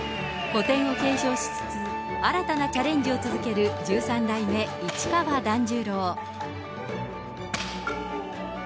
古典を継承しつつ、新たなチャレンジを続ける十三代目市川團十郎。